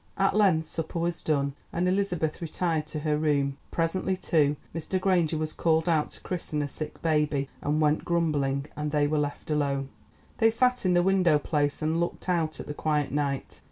At length supper was done, and Elizabeth retired to her room. Presently, too, Mr. Granger was called out to christen a sick baby and went grumbling, and they were left alone. They sat in the window place and looked out at the quiet night.